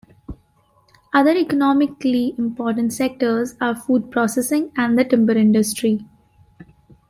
Other economically important sectors are food processing and the timber industry.